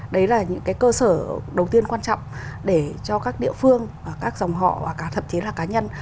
đấy là những cái cơ sở đầu tiên quan trọng để cho các địa phương các dòng họ và cả thậm chí là cá nhân